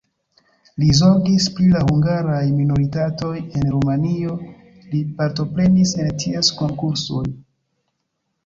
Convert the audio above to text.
Li zorgis pri la hungaraj minoritatoj en Rumanio, li partoprenis en ties konkursoj.